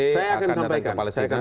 saya akan sampaikan